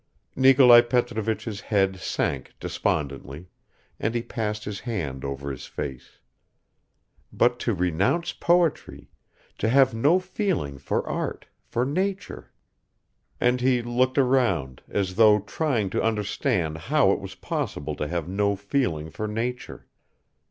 Nikolai Petrovich's head sank despondently, and he passed his hand over his face. "But to renounce poetry, to have no feeling for art, for nature ..." And he looked round, as though trying to understand how it was possible to have no feeling for nature.